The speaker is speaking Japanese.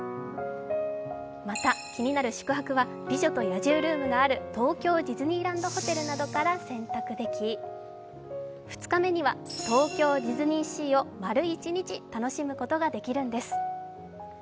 また気になる宿泊は美女と野獣ルームがある東京ディズニーンドホテルなどから選択でき、２日目には、東京ディズニーシーを丸一日楽しむことができるんです。